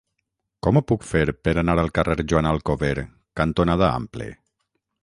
Com ho puc fer per anar al carrer Joan Alcover cantonada Ample?